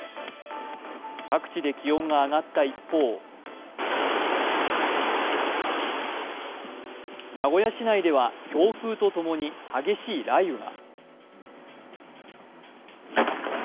各地で気温が上がった一方名古屋市内では強風と共に激しい雷雨が。